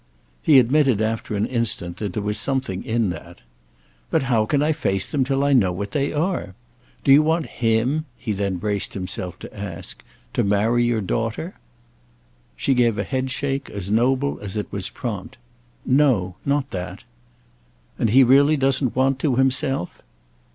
He admitted after an instant that there was something in that. "But how can I face them till I know what they are? Do you want him," he then braced himself to ask, "to marry your daughter?" She gave a headshake as noble as it was prompt. "No—not that." "And he really doesn't want to himself?"